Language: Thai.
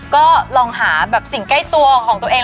ก็ลองหาแบบสิ่งใกล้ตัวของตัวเอง